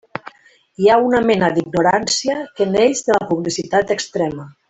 Hi ha una mena d'ignorància que neix de la publicitat extrema.